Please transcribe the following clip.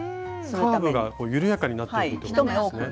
カーブが緩やかになってくるってことですね。